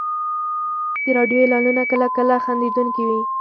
د راډیو اعلانونه کله کله خندونکي وي.